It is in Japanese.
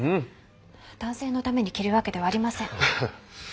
男性のために着るわけではありません。